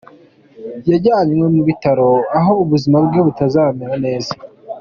Yajyanywe mu bitaro aho ubuzima bwe butameze neza.